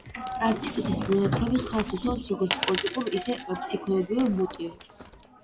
ტაციტუსის მონათხრობი ხაზს უსვამს როგორც პოლიტიკურ, ისე ფსიქოლოგიურ მოტივებს.